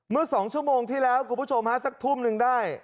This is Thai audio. เมื่อ๒ชั่วโมงที่แล้วคุณผู้ชมฮะสักทุ่มหนึ่งได้